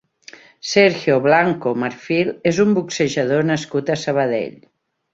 Sergio Blanco Marfil és un boxejador nascut a Sabadell.